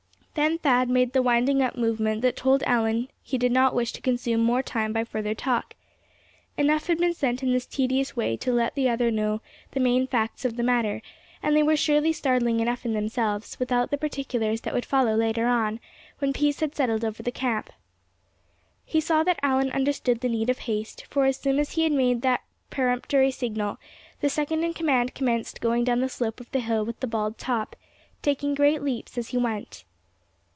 Then Thad made the winding up movement that told Allan he did not wish to consume more time by further talk. Enough had been sent in this tedious way to let the other know the main facts of the matter; and they were surely startling enough in themselves, without the particulars that would follow later on, when peace had settled over the camp. He saw that Allan understood the need of haste; for as soon as he had made that peremptory signal, the second in command commenced going down the slope of the hill with the bald top, taking great leaps as he went.